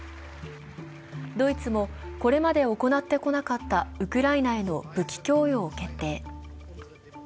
ドイツもこれまで行ってこなかったウクライナへの武器供与を決定。